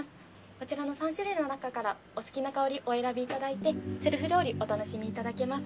こちらの３種類の中からお好きな香りお選びいただいてセルフロウリュお楽しみいただけます。